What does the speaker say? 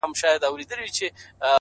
پرده به خود نو ـ گناه خوره سي ـ